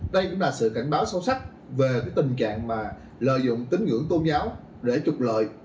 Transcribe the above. đây cũng là sự cảnh báo sâu sắc về cái tình trạng mà lợi dụng tính ngưỡng tôn giáo để trục lợi